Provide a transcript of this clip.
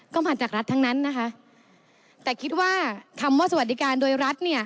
ก็มาจากรัฐทั้งนั้นนะคะแต่คิดว่าคำว่าสวัสดิการโดยรัฐเนี่ย